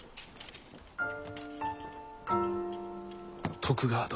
徳川殿。